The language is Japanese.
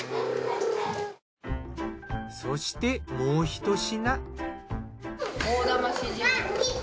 そしてもうひと品。